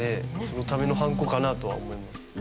そのためのはんこかなとは思います。